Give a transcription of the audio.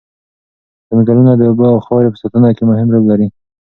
ځنګلونه د اوبو او خاورې په ساتنه کې مهم رول لري.